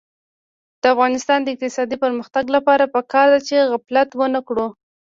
د افغانستان د اقتصادي پرمختګ لپاره پکار ده چې غفلت ونکړو.